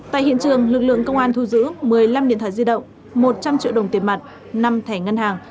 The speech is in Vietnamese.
tại hiện trường lực lượng công an thu giữ một mươi năm điện thoại di động một trăm linh triệu đồng tiền mặt năm thẻ ngân hàng